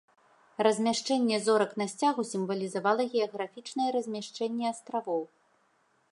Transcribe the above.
Размяшчэнне зорак на сцягу сімвалізавала геаграфічнае размяшчэнне астравоў.